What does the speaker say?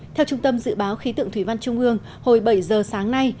theo trung tâm dự báo khí tượng thủy văn trung ương hồi bảy giờ sáng nay